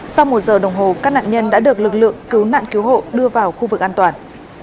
sau một giờ đồng hồ các nạn nhân đã được lực lượng cứu nạn cứu hộ đưa vào khu vực an toàn